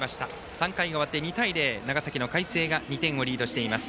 ３回が終わって２対０長崎の海星が２点をリードしています。